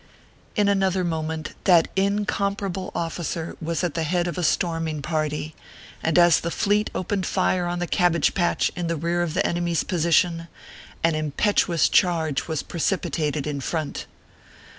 In another moment that incomparable officer was 312 ORPHEUS C. KERR PAPERS. at the head of a storming party ; and as the fleet opened fire on the cabbage patch in the rear of the enemy s position, an impetuous charge was precipi tated in front.